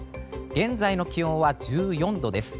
現在の気温は１４度です。